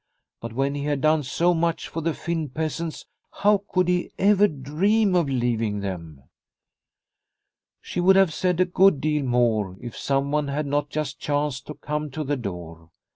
But when he had done so much for the Finn peasants, how could he ever dream of leaving them ? She would have said a good deal more if someone had not just chanced to come to the door.